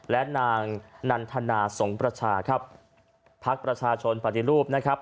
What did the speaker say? และนางนันทนาสงประชาครับภักดิ์ประชาชนปฏิรูปนะครับ